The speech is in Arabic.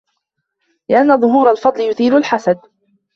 لِأَنَّ ظُهُورَ الْفَضْلِ يُثِيرُ الْحَسَدَ